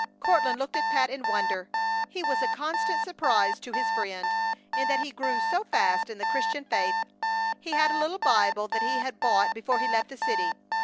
Courtland looked at Pat in wonder. He was a constant surprise to his friend, in that he grew so fast in the Christian life. He had a little Bible that he had bought before he left the city.